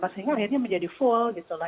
sehingga ini menjadi full